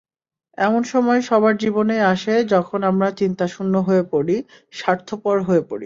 এমন সময় সবার জীবনেই আসে যখন আমরা চিন্তাশূন্য হয়ে পড়ি, স্বার্থপর হয়ে পড়ি।